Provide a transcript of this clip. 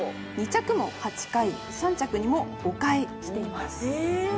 ２着も８回３着にも５回きています。